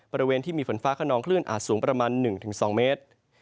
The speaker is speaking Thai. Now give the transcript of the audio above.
บริเวณที่มีฝนฟ้าขนองคลื่นอาจสูงประมาณ๑๒เมตร